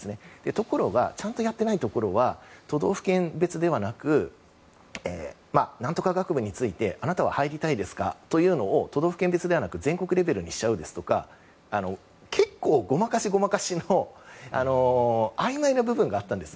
ところがちゃんとやっていないところは都道府県別ではなく何とか学部についてあなたは入りたいですか？というのを都道府県別ではなく全国レベルにしちゃうですとか結構ごまかし、ごまかしのあいまいな部分があったんです。